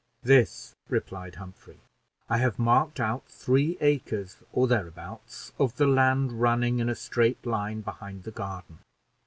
"This," replied Humphrey: "I have marked out three acres or thereabout of the land running in a straight line behind the garden.